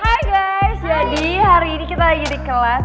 hai guys jadi hari ini kita lagi di kelas